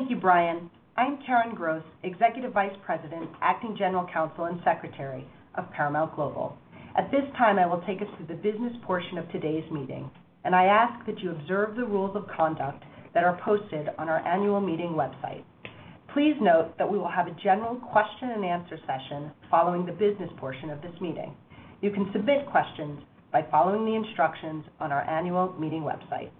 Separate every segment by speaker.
Speaker 1: Thank you, Brian. I'm Karen Gross, Executive Vice President, Acting General Counsel, and Secretary of Paramount Global. At this time, I will take us through the business portion of today's meeting, and I ask that you observe the rules of conduct that are posted on our annual meeting website. Please note that we will have a general question-and-answer session following the business portion of this meeting. You can submit questions by following the instructions on our annual meeting website.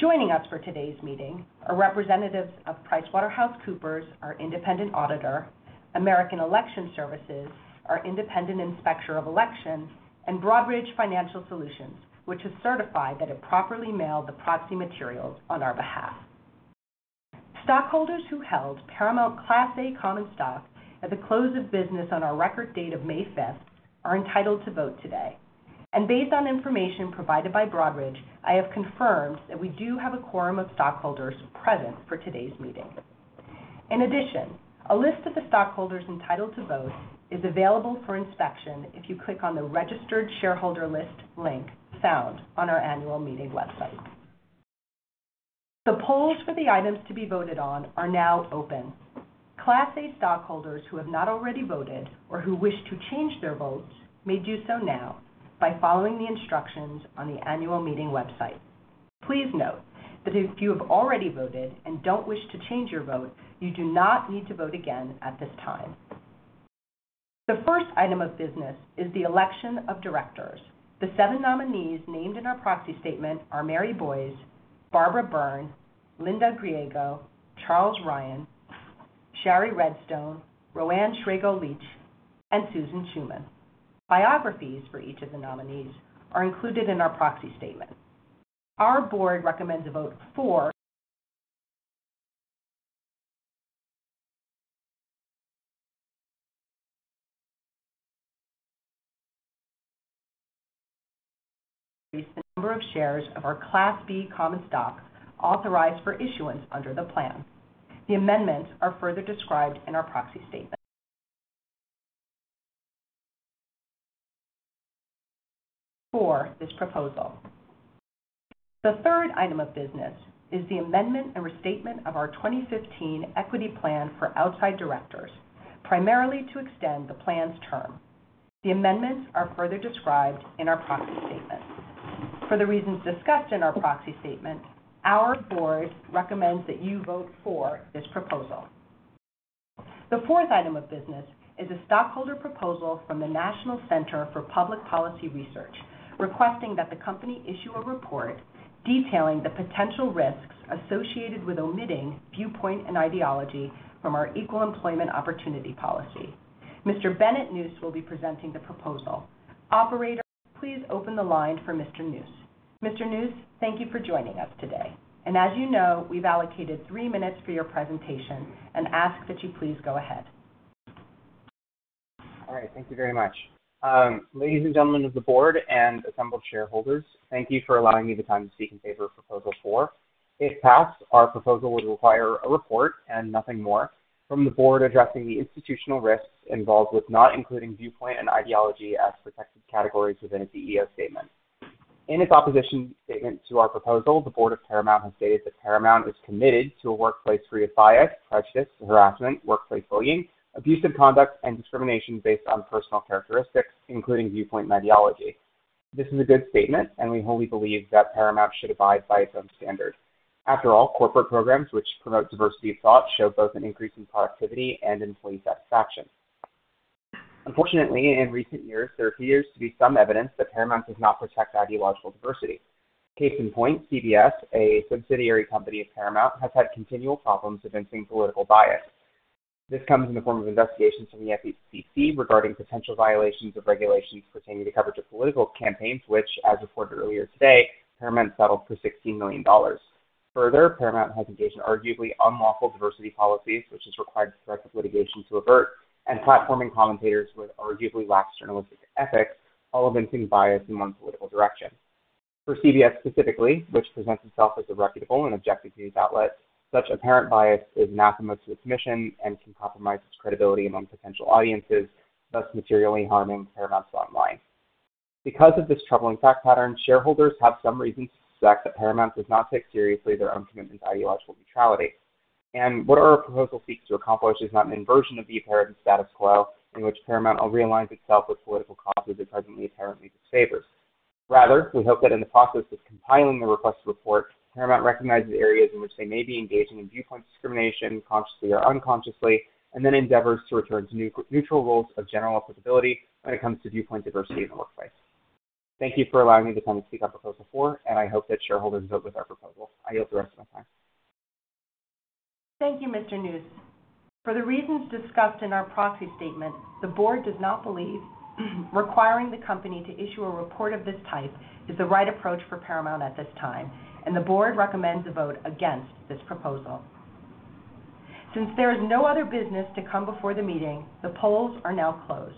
Speaker 1: Joining us for today's meeting are representatives of PricewaterhouseCoopers, our independent auditor, American Election Services, our independent inspector of elections, and Broadridge Financial Solutions, which has certified that it properly mailed the proxy materials on our behalf. Stockholders who held Paramount Class A Common Stock at the close of business on our record date of May 5th are entitled to vote today. Based on information provided by Broadridge, I have confirmed that we do have a quorum of stockholders present for today's meeting. In addition, a list of the stockholders entitled to vote is available for inspection if you click on the Registered Shareholder List link found on our annual meeting website. The polls for the items to be voted on are now open. Class A stockholders who have not already voted or who wish to change their votes may do so now by following the instructions on the annual meeting website. Please note that if you have already voted and do not wish to change your vote, you do not need to vote again at this time. The first item of business is the election of directors. The seven nominees named in our proxy statement are Mary Boyce, Barbara Byrnes, Linda Griego, Charles Ryan, Shari Redstone, Roanne Schrago Leach, and Susan Schuman. Biographies for each of the nominees are included in our proxy statement. Our board recommends a vote for the number of shares of our Class B Common Stock authorized for issuance under the plan. The amendments are further described in our proxy statement for this proposal. The third item of business is the amendment and restatement of our 2015 Equity Plan for outside directors, primarily to extend the plan's term. The amendments are further described in our proxy statement. For the reasons discussed in our proxy statement, our board recommends that you vote for this proposal. The fourth item of business is a stockholder proposal from the National Center for Public Policy Research requesting that the company issue a report detailing the potential risks associated with omitting viewpoint and ideology from our Equal Employment Opportunity Policy. Mr. Bennett Neuse will be presenting the proposal. Operator, please open the line for Mr. Neuse. Mr. Neuse, thank you for joining us today. As you know, we've allocated three minutes for your presentation and ask that you please go ahead.
Speaker 2: All right. Thank you very much. Ladies and gentlemen of the board and assembled shareholders, thank you for allowing me the time to speak in favor of proposal four. If passed, our proposal would require a report and nothing more from the board addressing the institutional risks involved with not including viewpoint and ideology as protected categories within a CEO statement. In its opposition statement to our proposal, the board of Paramount has stated that Paramount is committed to a workplace free of bias, prejudice, harassment, workplace bullying, abusive conduct, and discrimination based on personal characteristics, including viewpoint and ideology. This is a good statement, and we wholly believe that Paramount should abide by its own standard. After all, corporate programs which promote diversity of thought show both an increase in productivity and employee satisfaction. Unfortunately, in recent years, there appears to be some evidence that Paramount does not protect ideological diversity. Case in point, CBS, a subsidiary company of Paramount, has had continual problems against political bias. This comes in the form of investigations from the FCC regarding potential violations of regulations pertaining to coverage of political campaigns, which, as reported earlier today, Paramount settled for $16 million. Further, Paramount has engaged in arguably unlawful diversity policies, which has required corrective litigation to avert and platforming commentators with arguably lax journalistic ethics, all eventing bias in one political direction. For CBS specifically, which presents itself as a reputable and objective news outlet, such apparent bias is anathema to its mission and can compromise its credibility among potential audiences, thus materially harming Paramount's bottom line. Because of this troubling fact pattern, shareholders have some reason to suspect that Paramount does not take seriously their own commitment to ideological neutrality. What our proposal seeks to accomplish is not an inversion of the apparent status quo in which Paramount will realign itself with political causes it presently apparently disfavors. Rather, we hope that in the process of compiling the requested report, Paramount recognizes areas in which they may be engaging in viewpoint discrimination consciously or unconsciously and then endeavors to return to neutral roles of general applicability when it comes to viewpoint diversity in the workplace. Thank you for allowing me the time to speak on proposal four, and I hope that shareholders vote with our proposal. I yield the rest of my time.
Speaker 1: Thank you, Mr. Neuse. For the reasons discussed in our proxy statement, the board does not believe requiring the company to issue a report of this type is the right approach for Paramount at this time, and the board recommends a vote against this proposal. Since there is no other business to come before the meeting, the polls are now closed.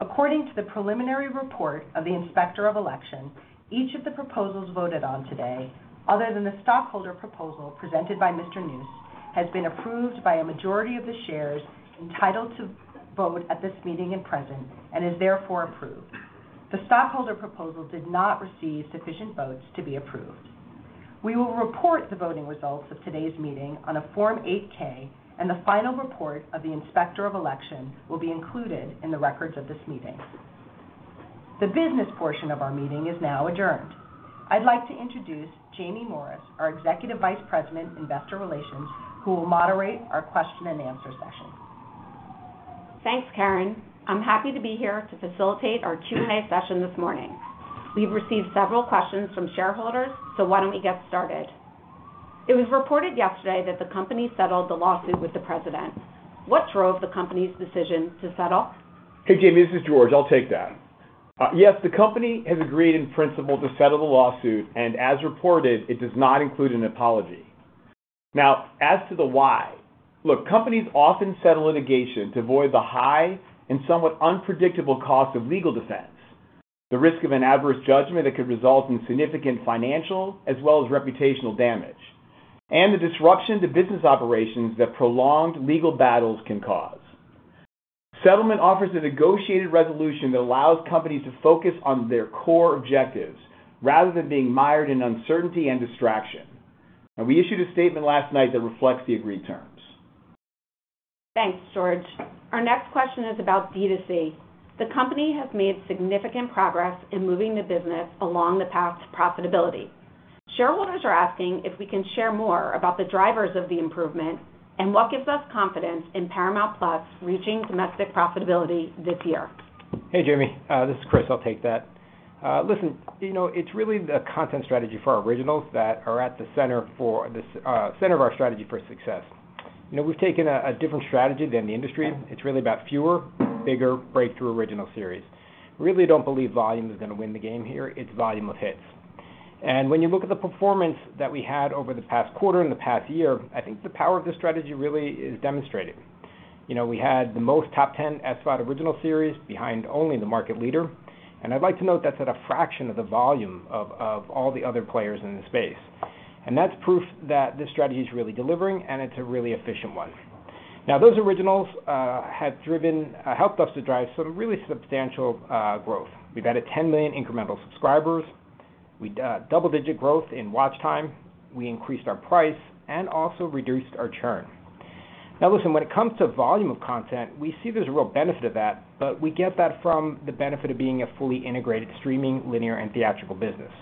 Speaker 1: According to the preliminary report of the inspector of election, each of the proposals voted on today, other than the stockholder proposal presented by Mr. Neuse, has been approved by a majority of the shares entitled to vote at this meeting and is therefore approved. The stockholder proposal did not receive sufficient votes to be approved. We will report the voting results of today's meeting on a Form 8-K, and the final report of the inspector of election will be included in the records of this meeting. The business portion of our meeting is now adjourned. I'd like to introduce Jaime Morris, our Executive Vice President, Investor Relations, who will moderate our question-and-answer session.
Speaker 3: Thanks, Karen. I'm happy to be here to facilitate our Q&A session this morning. We've received several questions from shareholders, so why don't we get started? It was reported yesterday that the company settled the lawsuit with the president. What drove the company's decision to settle?
Speaker 4: Hey, Jaime, this is George. I'll take that. Yes, the company has agreed in principle to settle the lawsuit, and as reported, it does not include an apology. Now, as to the why, look, companies often settle litigation to avoid the high and somewhat unpredictable cost of legal defense, the risk of an adverse judgment that could result in significant financial as well as reputational damage, and the disruption to business operations that prolonged legal battles can cause. Settlement offers a negotiated resolution that allows companies to focus on their core objectives rather than being mired in uncertainty and distraction. We issued a statement last night that reflects the agreed terms.
Speaker 3: Thanks, George. Our next question is about D2C. The company has made significant progress in moving the business along the path to profitability. Shareholders are asking if we can share more about the drivers of the improvement and what gives us confidence in Paramount+ reaching domestic profitability this year.
Speaker 5: Hey, Jaime. This is Chris. I'll take that. Listen, it's really the content strategy for our originals that are at the center of our strategy for success. We've taken a different strategy than the industry. It's really about fewer, bigger, breakthrough original series. We really don't believe volume is going to win the game here. It's volume of hits. When you look at the performance that we had over the past quarter and the past year, I think the power of this strategy really is demonstrated. We had the most top 10 SVOD original series behind only the market leader. I'd like to note that's at a fraction of the volume of all the other players in the space. That's proof that this strategy is really delivering and it's a really efficient one. Now, those originals have helped us to drive some really substantial growth. We've added 10 million incremental subscribers. We have double-digit growth in watch time. We increased our price and also reduced our churn. Now, listen, when it comes to volume of content, we see there's a real benefit of that, but we get that from the benefit of being a fully integrated streaming, linear, and theatrical business.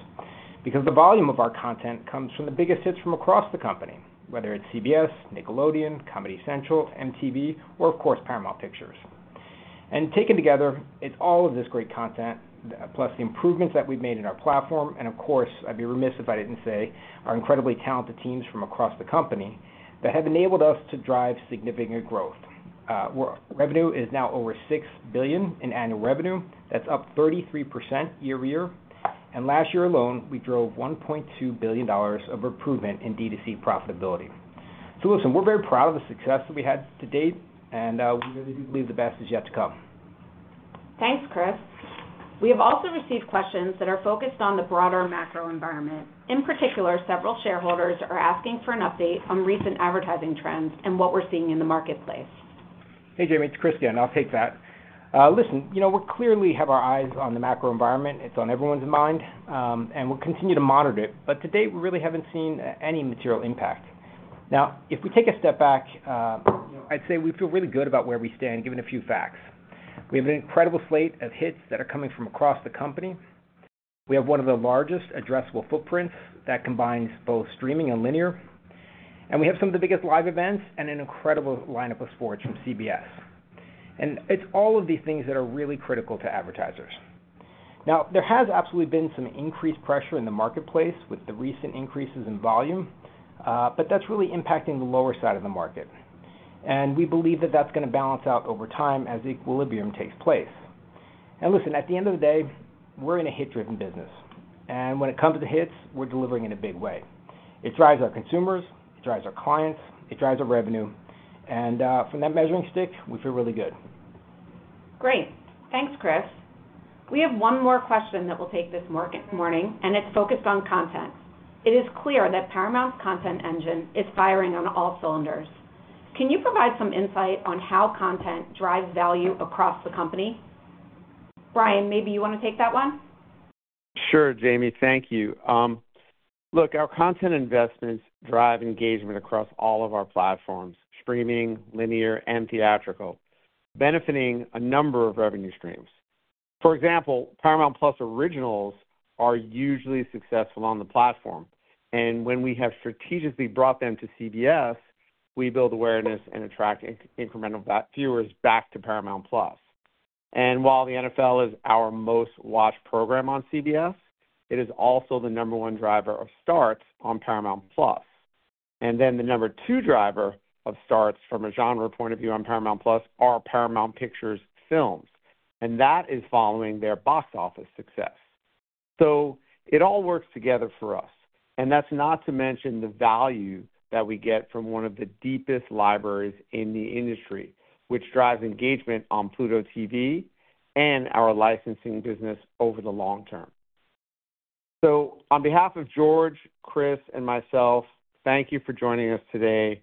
Speaker 5: The volume of our content comes from the biggest hits from across the company, whether it's CBS, Nickelodeon, Comedy Central, MTV, or of course, Paramount Pictures. Taken together, it's all of this great content, plus the improvements that we've made in our platform, and of course, I'd be remiss if I didn't say our incredibly talented teams from across the company that have enabled us to drive significant growth. Revenue is now over $6 billion in annual revenue. That's up 33% year-over-year. Last year alone, we drove $1.2 billion of improvement in D2C profitability. Listen, we're very proud of the success that we had to date, and we really do believe the best is yet to come.
Speaker 3: Thanks, Chris. We have also received questions that are focused on the broader macro environment. In particular, several shareholders are asking for an update on recent advertising trends and what we're seeing in the marketplace.
Speaker 5: Hey, Jaime. It's Chris again. I'll take that. Listen, we clearly have our eyes on the macro environment. It's on everyone's mind, and we'll continue to monitor it. To date, we really haven't seen any material impact. Now, if we take a step back, I'd say we feel really good about where we stand given a few facts. We have an incredible slate of hits that are coming from across the company. We have one of the largest addressable footprints that combines both streaming and linear. We have some of the biggest live events and an incredible lineup of sports from CBS. It's all of these things that are really critical to advertisers. There has absolutely been some increased pressure in the marketplace with the recent increases in volume, but that's really impacting the lower side of the market. We believe that that's going to balance out over time as equilibrium takes place. Listen, at the end of the day, we're in a hit-driven business. When it comes to hits, we're delivering in a big way. It drives our consumers. It drives our clients. It drives our revenue. From that measuring stick, we feel really good.
Speaker 3: Great. Thanks, Chris. We have one more question that we'll take this morning, and it's focused on content. It is clear that Paramount's content engine is firing on all cylinders. Can you provide some insight on how content drives value across the company? Brian, maybe you want to take that one.
Speaker 6: Sure, Jaime. Thank you. Look, our content investments drive engagement across all of our platforms: streaming, linear, and theatrical, benefiting a number of revenue streams. For example, Paramount+ originals are usually successful on the platform. When we have strategically brought them to CBS, we build awareness and attract incremental viewers back to Paramount+. While the NFL is our most-watched program on CBS, it is also the number one driver of starts on Paramount+. The number two driver of starts from a genre point of view on Paramount+ are Paramount Pictures films. That is following their box office success. It all works together for us. That is not to mention the value that we get from one of the deepest libraries in the industry, which drives engagement on Pluto TV and our licensing business over the long term. On behalf of George, Chris, and myself, thank you for joining us today.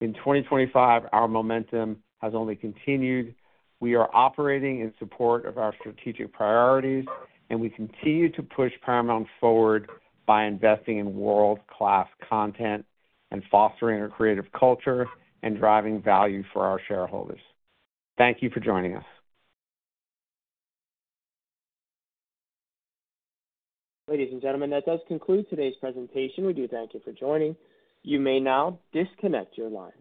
Speaker 6: In 2025, our momentum has only continued. We are operating in support of our strategic priorities, and we continue to push Paramount forward by investing in world-class content and fostering our creative culture and driving value for our shareholders. Thank you for joining us.
Speaker 7: Ladies and gentlemen, that does conclude today's presentation. We do thank you for joining. You may now disconnect your line.